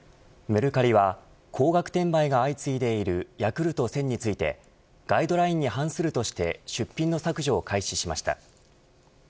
メルカリは高額転売が相次いでいるＹａｋｕｌｔ１０００についてガイドラインに反するとして出品の削除を開始しました。